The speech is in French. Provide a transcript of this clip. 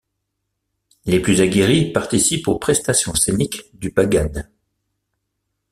Les plus aguerris participent aux prestations scéniques du bagad.